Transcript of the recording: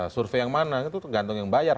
survei yang mana itu tergantung yang bayar